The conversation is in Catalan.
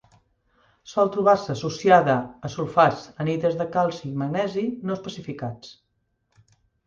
Sol trobar-se associada a sulfats anhidres de calci i magnesi no especificats.